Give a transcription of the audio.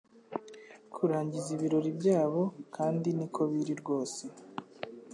Kurangiza ibirori byabo kandi niko biri rwose